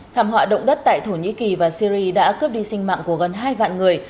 thảm họa động đất tại thổ nhĩ kỳ và syri đã cướp đi sinh mạng của gần hai vạn người